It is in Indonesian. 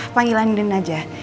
panggil andin aja